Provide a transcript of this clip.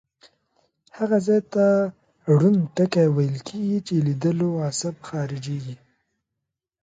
هغه ځای ته ړوند ټکی ویل کیږي چې لیدلو عصب خارجیږي.